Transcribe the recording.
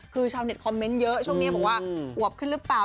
คือชาวเน็ตคอมเมนต์เยอะช่วงนี้บอกว่าอวบขึ้นหรือเปล่า